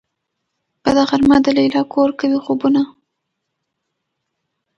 بده غرمه ده ليلا کور کوي خوبونه